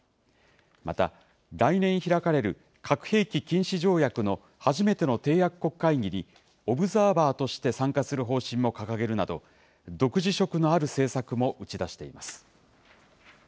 また、来年開かれる核兵器禁止条約の初めての締約国会議に、オブザーバーとして参加する方針も掲げるなど、独自色のある政策も打ち出しています。